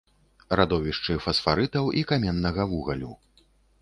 Радовішчы фасфарытаў і каменнага вугалю.